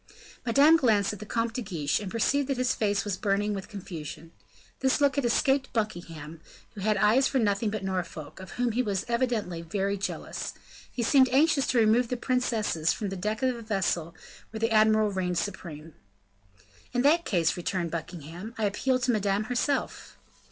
Madame glanced at the Comte de Guiche, and perceived that his face was burning with confusion. This look had escaped Buckingham, who had eyes for nothing but Norfolk, of whom he was evidently very jealous; he seemed anxious to remove the princesses from the deck of a vessel where the admiral reigned supreme. "In that case," returned Buckingham, "I appeal to Madame herself."